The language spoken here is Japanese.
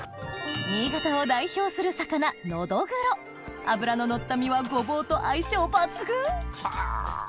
新潟を代表する魚脂ののった身はごぼうと相性抜群はぁ。